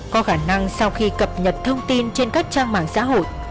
có khả năng sau khi cập nhật thông tin trên các trang mạng xã hội